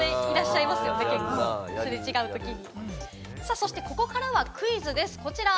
続いて、ここからはクイズです。